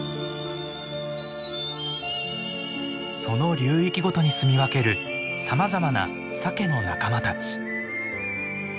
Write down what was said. その流域ごとにすみ分けるさまざまなサケの仲間たち。